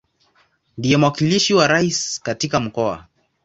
Ndiye mwakilishi wa Rais katika Mkoa.